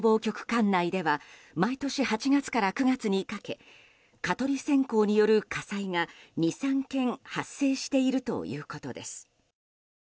管内では毎年８月から９月にかけ蚊取り線香による火災が２、３件発生しているということです。